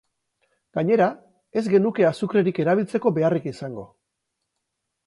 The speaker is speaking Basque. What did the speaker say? Gainera ez genuke azukrerik erabiltzeko beharrik izango.